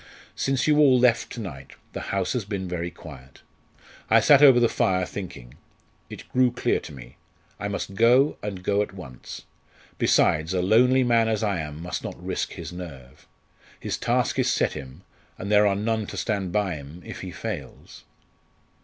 Since you all left to night the house has been very quiet. I sat over the fire thinking. It grew clear to me. I must go, and go at once. Besides a lonely man as I am must not risk his nerve. His task is set him, and there are none to stand by him if he fails."